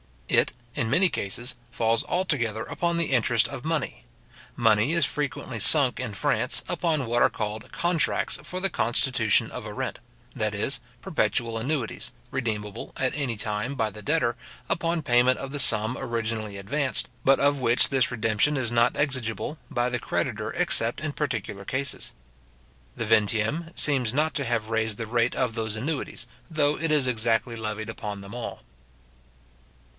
It, in many cases, falls altogether upon the interest of money. Money is frequently sunk in France, upon what are called contracts for the constitution of a rent; that is, perpetual annuities, redeemable at any time by the debtor, upon payment of the sum originally advanced, but of which this redemption is not exigible by the creditor except in particular cases. The vingtieme seems not to have raised the rate of those annuities, though it is exactly levied upon them all.